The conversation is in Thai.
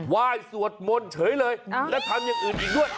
ยสวดมนต์เฉยเลยและทำอย่างอื่นอีกด้วย